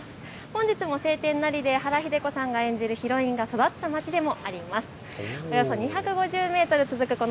本日も晴天なりで原日出子さんが演じるヒロインが育った街でもあります。